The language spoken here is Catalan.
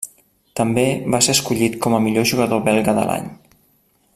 També va ser escollit com a millor jugador belga de l'any.